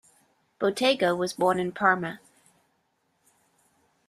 Bottego was born in Parma.